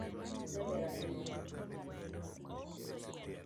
Ajaber ahinya